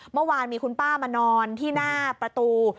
เมื่อวานมีคุณป้ามานอนที่หน้าประตู